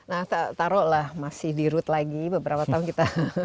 nah taruhlah masih di root lagi beberapa tahun kita